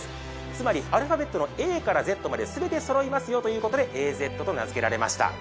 つまりアルファベットのＡからゼットまで全てそろいますよということでＡＺと名付けられました。